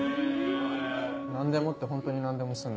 何でもってホントに何でもすんの？